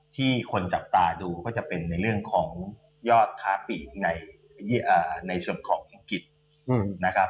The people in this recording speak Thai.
ที่คนจับตาดูก็จะเป็นในเรื่องของยอดค้าปีกในส่วนของอังกฤษนะครับ